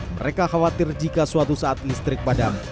mereka khawatir jika suatu saat listrik padam